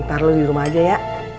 ntar lo dirumah aja ya